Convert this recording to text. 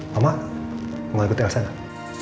mama mau ikut elsa gak